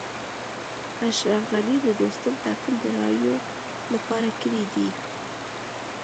اشرف غني د دوستم ټاکل د رایو لپاره کړي دي